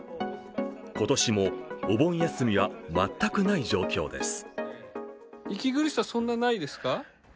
今年もお盆休みは全くない状況です。